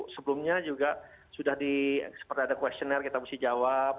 sebelumnya juga sudah seperti ada questionnaire kita mesti jawab